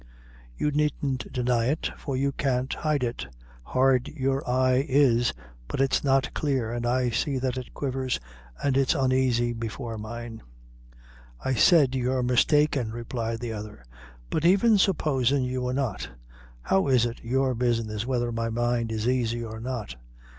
You needn't deny it, for you can't hide it hard your eye is, but it's not clear, and I see that it quivers, and is unaisy before mine." "I said you're mistaken," replied the other; "but even supposin' you wor not, how is it your business whether my mind is aisy or not?